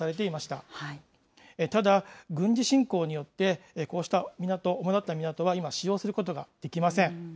ただ、軍事侵攻によって、こうした港、おもだった港は今、使用することができません。